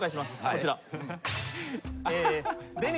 こちら。